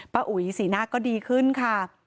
อุ๋ยสีหน้าก็ดีขึ้นค่ะ